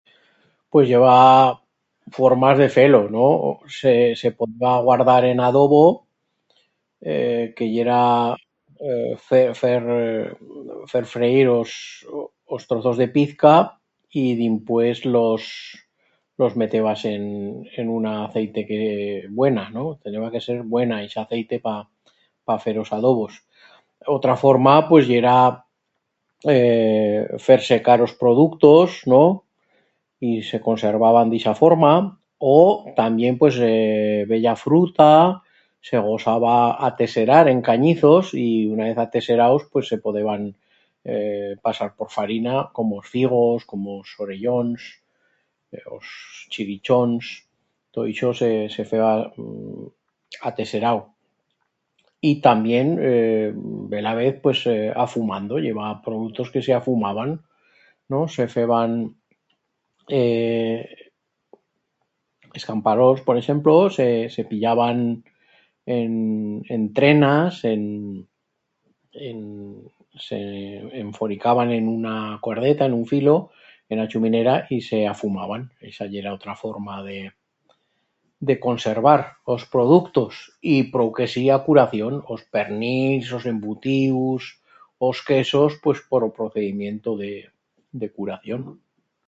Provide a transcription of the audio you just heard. Pues i heba formas de fer-lo, no? Se... se podeba guardar en adobo ee que yera ee fer fer fer freyir os os trozos de pizca y dimpués los los metebas en una aceite que... buena no? Teneba que ser buena ixa aceite pa... pa fer os adobos. Otra forma pues yera ee fer secar os productos, no? y se conservaban d'ixa forma. O tamién pues... ee... bella fruta se gosaba ateserar en canyizos y una vez ateseraus pues se podeban ee pasar por farina, como os figos, como os orellons, os chirichons... Tot ixo se feba ateserau. Y tamién bela vez... pues ee... afumando, i heba productos que s'afumaban... no? Se feban ee es camparols por eixemplo, se pillaban en... en trenas en en se... enforicaban en una cordeta, en un filo en a chuminera y se afumaban. Ixa yera una forma de... de conservar os productos. Y, prou que sí, a curación. Os pernils os embutius, os quesos... pues por o procedimiento de... de curación no?